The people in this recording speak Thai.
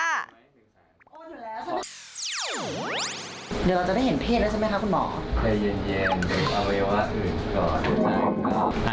เดี๋ยวเราจะได้เห็นเพศแล้วใช่ไหมคุณหมอ